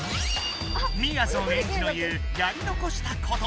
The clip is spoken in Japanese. みやぞんエンジの言う「やり残したこと」。